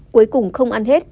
cuối cùng không ăn hết